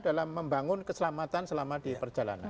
dalam membangun keselamatan selama diperjalanan